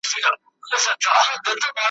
د نېكيو او بديو بنياد څه دئ `